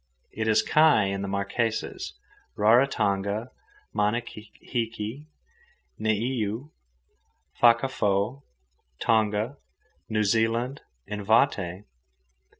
It is kai in the Marquesas, Raratonga, Manahiki, Niuë, Fakaafo, Tonga, New Zealand, and Vaté.